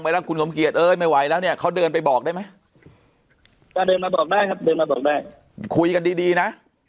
เขาว่าคุณสมเกียจก็คุยกับเขาดีดีเขาก็คุยกับคุณสมเกียจดีดีนะ